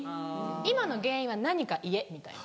「今の原因は何か言え」みたいな。